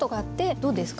どうですか？